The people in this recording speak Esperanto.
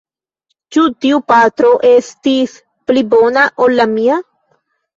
Ĉu tiu patro estis pli bona ol la mia?